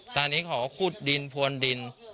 ตอนนี้เขาก็ขุดดินพวนดิน